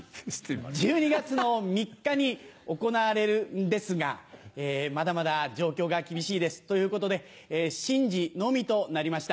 １２月３日に行われるんですがまだまだ状況が厳しいです。ということで神事のみとなりました。